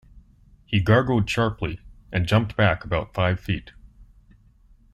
He gargled sharply, and jumped back about five feet.